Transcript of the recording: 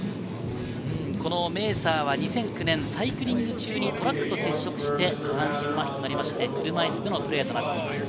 このメーサーは、２００９年、サイクリング中にトラックと接触して車いすでのプレーとなっています。